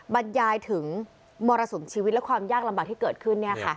บัญญายถึงมรสุนชีวิตและความยากลำบากที่เกิดขึ้นเนี่ยค่ะ